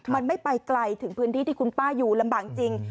มันไม่ไปไกลถึงพื้นที่ที่คุณป้าอยู่ลำบากจริง